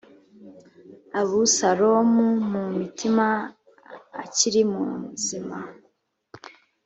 abusalomu mu mutima akiri muzima